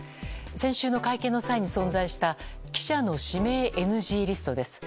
先週の会見の際に存在した記者の指名ＮＧリストです。